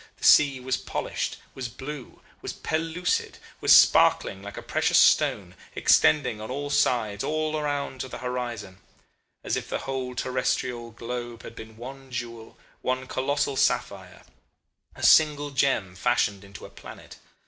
The sea was polished, was blue, was pellucid, was sparkling like a precious stone, extending on all sides, all round to the horizon as if the whole terrestrial globe had been one jewel, one colossal sapphire, a single gem fashioned into a planet.